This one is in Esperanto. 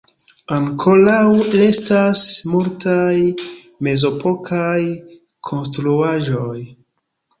Ankoraŭ restas multaj mezepokaj konstruaĵoj.